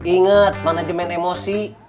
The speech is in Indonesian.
ingat manajemen emosi